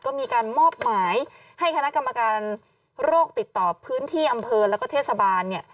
ก็มีการมอบหมายให้คณะกรรมการโรคติดต่อพื้นที่อำเภอแล้วก็เทศบาลเนี่ย